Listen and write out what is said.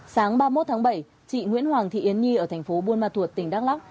sáng ba mươi một tháng bảy chị nguyễn hoàng thị yến nhi ở thành phố buôn ma thuột tỉnh đắk lắc